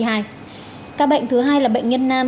các bệnh thứ hai là bệnh nhân nam